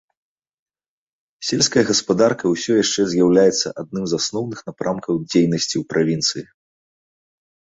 Сельская гаспадарка ўсё яшчэ з'яўляецца адным з асноўных напрамкаў дзейнасці ў правінцыі.